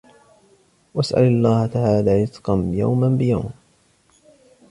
وَاسْأَلْ اللَّهَ تَعَالَى رِزْقَ يَوْمٍ بِيَوْمٍ